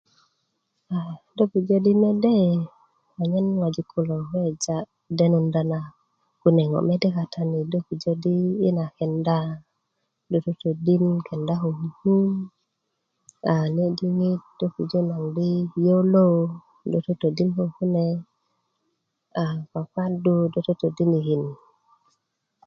do pujö di mede anyen ŋwajik kilo weweja denunda na kune ŋo' mede katani do pujö do yina kenda do totodin kenda ko kuku a ne' diŋit do pujö naŋ di yolo do totodin koo kune a kwakwadu do totodinkin